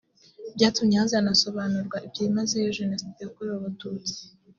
byatumye hazanasobanurwa byimazeyo Jenoside yakorewe Abatutsi